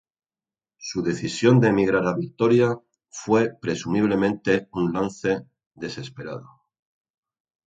Su decisión de emigrar a Victoria fue presumiblemente un lance desesperado.